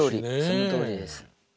そのとおりです。